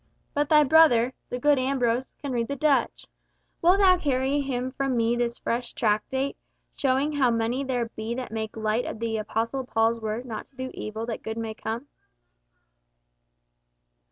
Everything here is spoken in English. But thy brother, the good Ambrose, can read the Dutch. Wilt thou carry him from me this fresh tractate, showing how many there be that make light of the Apostle Paul's words not to do evil that good may come?"